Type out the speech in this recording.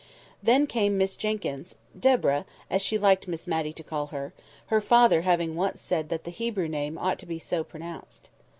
Then came Miss Jenkyns—Deborah, as she liked Miss Matty to call her, her father having once said that the Hebrew name ought to be so pronounced.